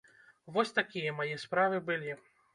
Вось такія мае справы былі.